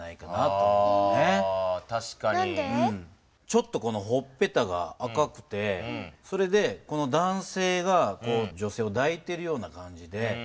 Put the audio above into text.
ちょっとほっぺたが赤くてそれでこの男性がこう女性をだいてるような感じで。